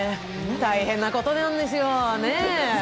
大変なことなんですよ。